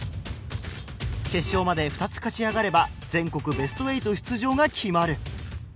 決勝まで２つ勝ち上がれば全国ベスト８出場が決まる。